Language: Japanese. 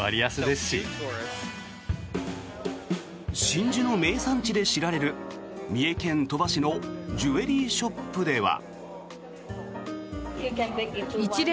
真珠の名産地で知られる三重県鳥羽市のジュエリーショップでは。